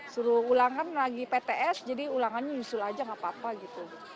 suruh ulangkan lagi pts jadi ulangannya usul aja nggak apa apa gitu